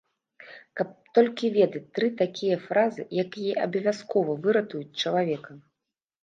Каб толькі ведаць тры такія фразы, якія абавязкова выратуюць чалавека!